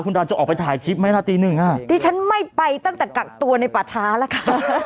คุณดาวจะออกไปถ่ายคลิปไหมล่ะตีหนึ่งอ่ะดิฉันไม่ไปตั้งแต่กักตัวในป่าช้าแล้วค่ะ